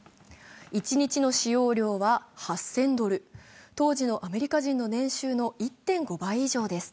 一日の使用料は８０００ドル、当時のアメリカ人の年収の１．５倍以上です。